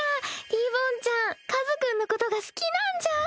リボンちゃん和君のことが好きなんじゃ。